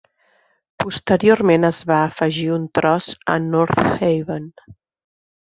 Posteriorment es va afegir un tros a North Haven.